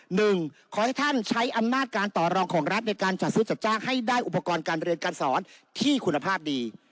หนึ่งขอให้ท่านใช้อำนาจการต่อรองของรัฐในการจัดซื้อจัดจ้างให้ได้อุปกรณ์การเรียนการสอนที่คุณภาพดี